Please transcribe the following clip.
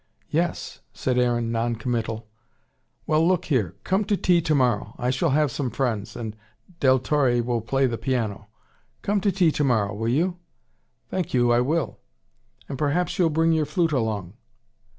"Yes," said Aaron, non committal. "Well, look here come to tea tomorrow. I shall have some friends, and Del Torre will play the piano. Come to tea tomorrow, will you?" "Thank you, I will." "And perhaps you'll bring your flute along."